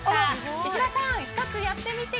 石破さん